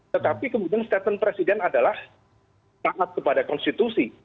tetapi kemudian statement presiden adalah taat kepada konstitusi